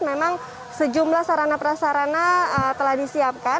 memang sejumlah sarana prasarana telah disiapkan